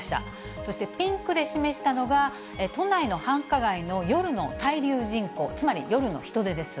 そしてピンクで示したのが都内の繁華街の夜の滞留人口、つまり夜の人出です。